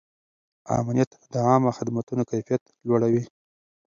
امنیت د عامه خدمتونو کیفیت لوړوي.